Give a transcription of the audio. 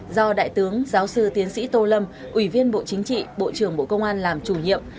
do đại tướng giáo sư tiến sĩ tô lâm ủy viên bộ chính trị bộ trưởng bộ công an làm chủ nhiệm